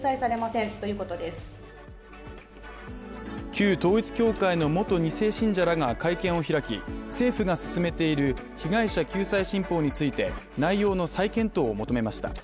旧統一教会の元２世信者らが会見を開き、政府が進めている被害者救済新法について内容の再検討を求めました。